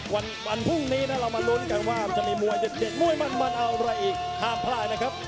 วันพรุ่งนี้นะเรามาลุ้นกันว่ามันจะมีมวยเด็ดมวยมันอะไรอีกห้ามพลาดนะครับ